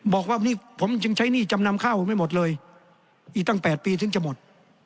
บอกว่านี่ผมจึงใช้หนี้จำนำข้าวไม่หมดเลยอีกตั้ง๘ปีถึงจะหมด